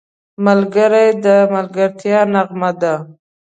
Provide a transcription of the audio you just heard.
ملګری د ملګرتیا نغمه ده